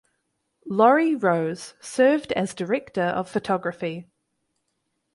Laurie Rose served as director of photography.